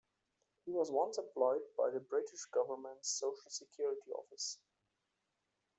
He was once employed by the British government's social security office.